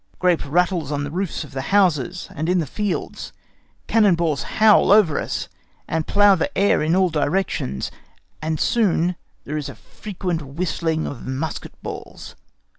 Grape rattles on the roofs of the houses and in the fields; cannon balls howl over us, and plough the air in all directions, and soon there is a frequent whistling of musket balls.